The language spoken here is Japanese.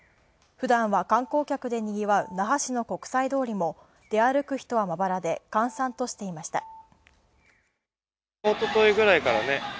普段は観光客でにぎわう那覇市の国際通りも出歩く人はまばらで、閑散としていました。